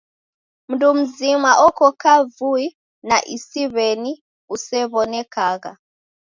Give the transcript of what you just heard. Mndu mzima oko kavui na isiw'eni usew'onekagha.